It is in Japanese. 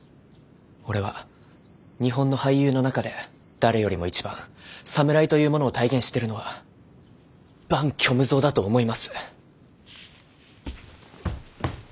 俺は日本の俳優の中で誰よりも一番侍というものを体現してるのは伴虚無蔵だと思います。